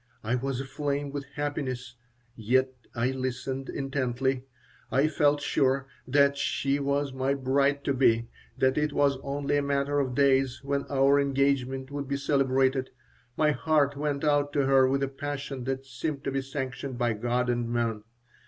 I was aflame with happiness, yet I listened intently. I felt sure that she was my bride to be, that it was only a matter of days when our engagement would be celebrated. My heart went out to her with a passion that seemed to be sanctioned by God and men.